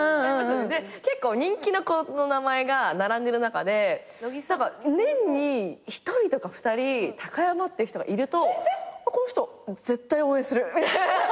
結構人気の子の名前が並んでる中で年に１人とか２人高山って人がいるとこの人絶対応援するみたいな。